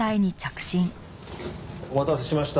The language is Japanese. お待たせしました。